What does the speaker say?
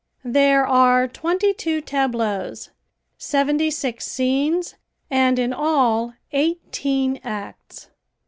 There are twenty two tableaus; seventy six scenes and in all eighteen acts.